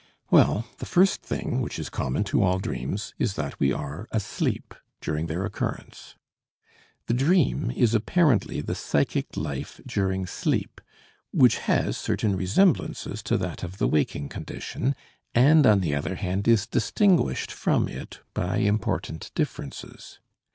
Well, the first thing which is common to all dreams is that we are asleep during their occurrence. The dream is apparently the psychic life during sleep, which has certain resemblances to that of the waking condition, and on the other hand is distinguished from it by important differences.